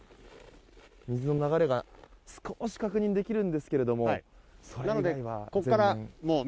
水の流れが少し確認できるんですけれども。